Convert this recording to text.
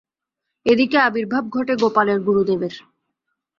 এদিকে আবির্ভাব ঘটে গোপালের গুরুদেবের।